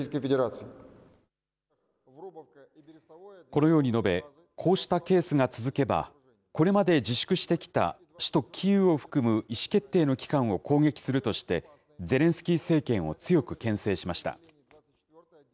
このように述べ、こうしたケースが続けば、これまで自粛してきた首都キーウを含む意思決定の機関を攻撃するとして、ゼレンスキー政権を強くけん制しました。